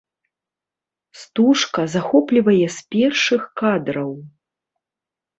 Стужка захоплівае з першых кадраў.